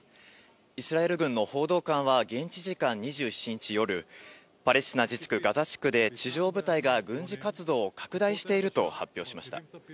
イスラエル軍の報道官は現地時間２７日夜、パレスチナ自治区ガザ地区で地上部隊が軍事活動を拡大していると発表しました。